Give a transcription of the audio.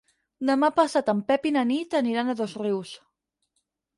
Demà passat en Pep i na Nit aniran a Dosrius.